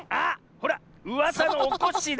ほらうわさのおこっしぃだ！